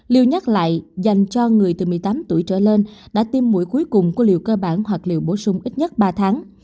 liêu nhắc lại dành cho người từ một mươi tám tuổi trở lên đã tiêm mũi cuối cùng của liều cơ bản hoặc liều bổ sung ít nhất ba tháng